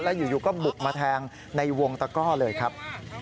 แล้วอยู่ก็บุกมาแทงในวงตะก้อเลยครับ